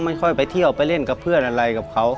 ค่อยไปเที่ยวไปเล่นกับเพื่อนอะไรกับเขา